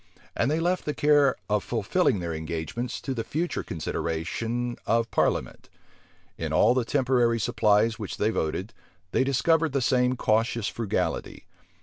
And they left the care of fulfilling their engagements to the future consideration of parliament. In all the temporary supplies which they voted, they discovered the same cautious frugality.